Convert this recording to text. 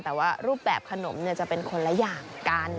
แต่ว่ารูปแบบขนมจะเป็นคนละอย่างกัน